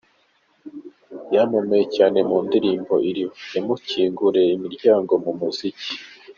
Yamamaye cyane mu ndirimbo 'Iriba' yamukinguriye imiryango mu muziki.